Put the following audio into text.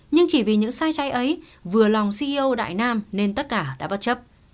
nhưng chỉ vì những sai trái ấy vừa lòng ceo đại nam nên tất cả đã bất chấp